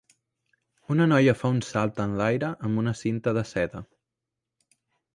Una noia fa un salt en l'aire amb una cinta de seda.